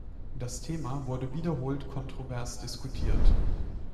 Das Thema wurde wiederholt kontrovers diskutiert.